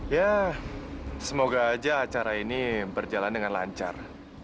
ya semoga aja acara ini berjalan dengan lancar